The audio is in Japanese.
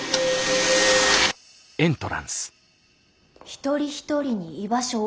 「一人一人に居場所を」。